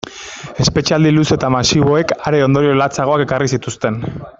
Espetxealdi luze eta masiboek are ondorio latzagoak ekarri zituzten.